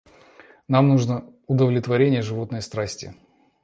Вам нужно удовлетворение животной страсти...